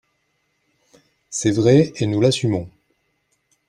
C’est vrai, et nous l’assumons